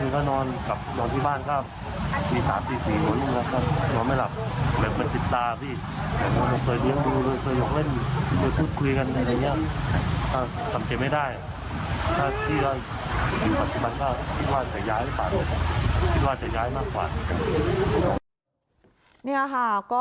คุณแม่นี้ค่ะ